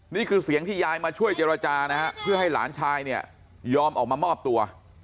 นี่คือเสียงที่ยายมาช่วยเจรจานะฮะเพื่อให้หลานชายเนี่ยยอมออกมามอบตัว